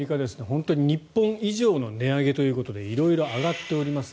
本当に日本以上の値上げということで色々上がっております。